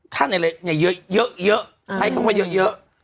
ขั้นอะไรเยอะไทยต้องมาเยอะ